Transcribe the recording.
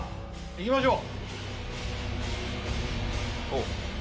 いきましょう！